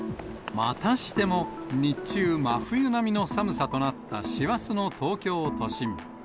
またしても日中、真冬並みの寒さとなった師走の東京都心。